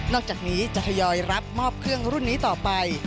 อกจากนี้จะทยอยรับมอบเครื่องรุ่นนี้ต่อไป